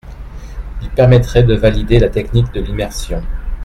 Il permettrait de valider la technique de l’immersion.